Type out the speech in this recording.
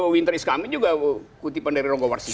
winter is coming juga kutipan dari ron govarsita